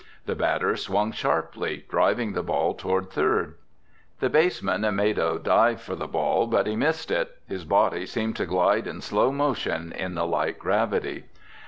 The batter swung sharply, driving the ball toward third. The baseman made a dive for the ball, but he missed it. His body seemed to glide in slow motion in the light gravity.